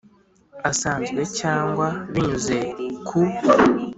Asanzwe cyangwa binyuze ku